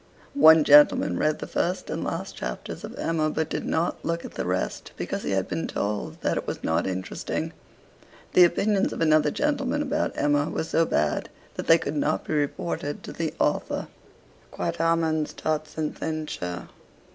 One gentleman read the first and last chapters of 'Emma,' but did not look at the rest because he had been told that it was not interesting. The opinions of another gentleman about 'Emma' were so bad that they could not be reported to the author. 'Quot homines, tot sententiae.'